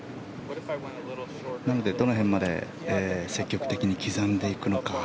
なので、どの辺まで積極的に刻んでいくのか。